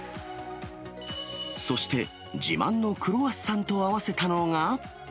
そして、自慢のクロワッサンと合わせたのが。